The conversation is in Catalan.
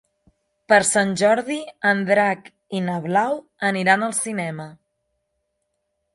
Per Sant Jordi en Drac i na Blau aniran al cinema.